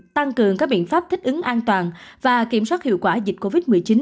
tăng cường các biện pháp thích ứng an toàn và kiểm soát hiệu quả dịch covid một mươi chín